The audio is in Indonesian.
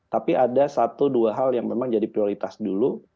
tapi ada satu dua hal yang memang jadi prioritas dulu